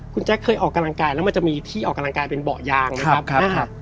คุณแจ๊คเคยออกกำลังกายแล้วมันจะมีที่ออกกำลังกายเป็นเบาะยางนะครับ